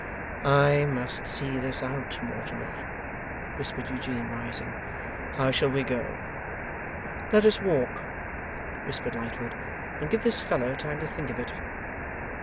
'I must see this out, Mortimer,' whispered Eugene, rising. 'How shall we go?' 'Let us walk,' whispered Lightwood, 'and give this fellow time to think of it.